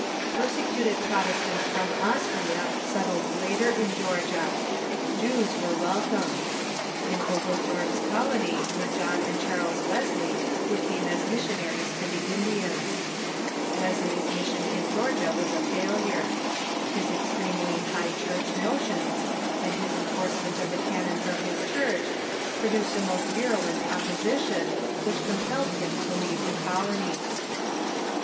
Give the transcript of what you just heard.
Persecuted Prot estants from Austria settled later in Georgia. Jews were wel comed. In Oglethorpe's colony were John and Charles Wes THE ENGLISH COLOXIZATION 449 ley, who carae as missionaries to the Indians. Wesley's mis sion in Georgia was a failure. His extremely High Church notions, and his enforcement of the canons of his Cluircli, |)ro duced a most virulent opposition, which compelled him to leave the colony.